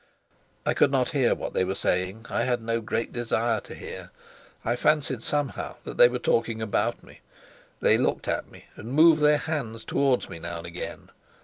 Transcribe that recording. I could not hear what they were saying; I had no great desire to hear. I fancied, somehow, that they were talking about me; they looked at me and moved their hands towards me now and again.